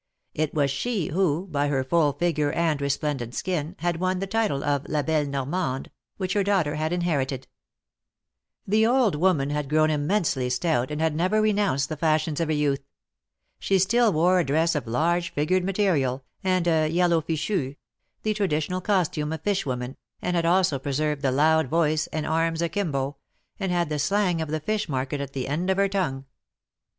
It was she, who, by her full figure and resplendent skin, had won the title of ^^La belle Normande," which her daughter had inherited. The old woman had grown immensely stout and had 140 THE MARKETS OP PARIS. never renounced the fashions of her youth. She still wore a dress of a large figured material, and a yellow fichu — the traditional costume of fish women, and had also preserved the loud voice, and arms akimbo — and had the slang of the fish market at the end of her tongue.